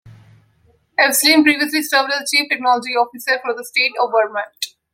Evslin previously served as Chief Technology Officer for the State of Vermont.